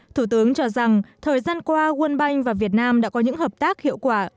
thủ tướng cho rằng thời gian qua world bank và việt nam đã có những hợp tác hiệu quả